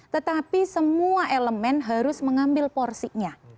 tetapi semua elemen harus mengambil porsinya